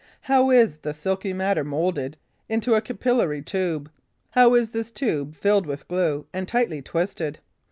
How is the silky matter moulded into a capillary tube? How is this tube filled with glue and tightly twisted?